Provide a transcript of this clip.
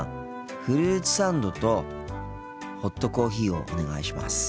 フルーツサンドとホットコーヒーをお願いします。